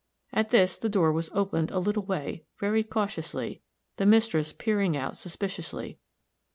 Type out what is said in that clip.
At this the door was opened a little way, very cautiously, the mistress peering out suspiciously.